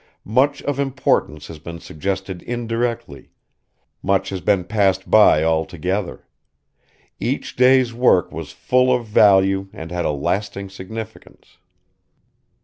Much of importance has been suggested indirectly; much has been passed by altogether. Each day's work was full of value and had a lasting significance.